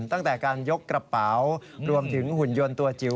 ตั้งแต่การยกกระเป๋ารวมถึงหุ่นยนต์ตัวจิ๋ว